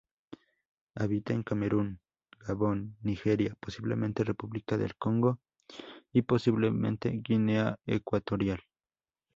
Habita en Camerún, Gabón, Nigeria, posiblemente República del Congo y posiblemente Guinea Ecuatorial.